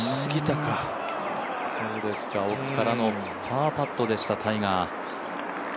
奥からのパーパットでした、タイガー。